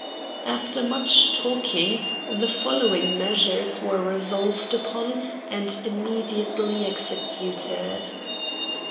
After much talking the following measures were resolved upon and immediately executed.